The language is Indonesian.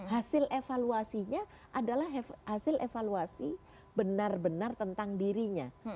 hasil evaluasinya adalah hasil evaluasi benar benar tentang dirinya